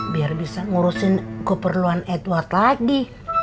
biar bisa ngurusin keperluan edward lagi